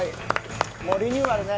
もうリニューアルね。